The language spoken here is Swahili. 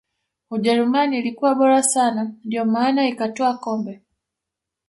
ujerumani ilikuwa bora sana ndiyo maana ikatwaa kombe